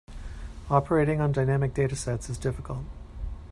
Operating on dynamic data sets is difficult.